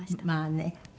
まあね。